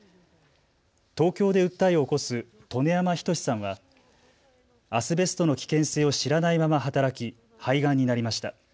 東京で訴えを起こす戸根山仁志さんはアスベストの危険性を知らないまま働き、肺がんになりました。